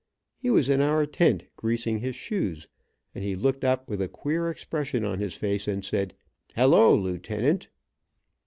He was in our tent, greasing his shoes, and he looked up with a queer expression on his face and said, "Hello, Lieutenant."